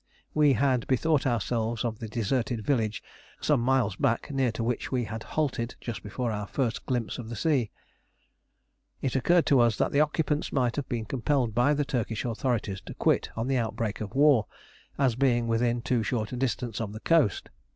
We had bethought ourselves of the deserted village some miles back, near to which we had halted just before our first glimpse of the sea. It occurred to us that the occupants might have been compelled by the Turkish authorities to quit on the outbreak of war, as being within too short a distance of the coast.